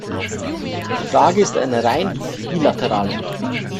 Die Frage ist eine rein bilaterale.